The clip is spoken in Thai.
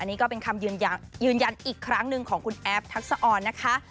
นี่ก็เป็นคำยืนยันอีกครั้งหนึ่งของคุณแอฟทักษะออนนะคะ